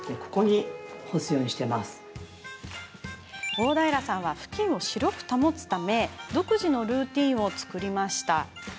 大平さんはふきんを白く保つため独自のルーティンを作りました。